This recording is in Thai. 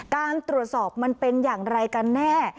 การตรวจสอบมันเป็นอย่างไรกันแน่